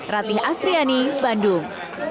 rating astriani bandung